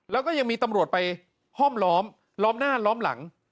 แล้วก็ยังมีตำรวจไปห้อมล้อมล้อมหน้าล้อมหลัง